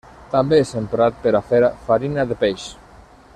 També és emprat per a fer farina de peix.